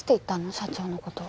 社長のことを。